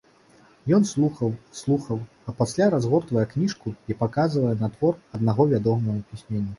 Ён слухаў, слухаў, а пасля разгортвае кніжку і паказвае на твор аднаго вядомага пісьменніка.